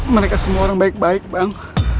mereka semua orang baik baik bang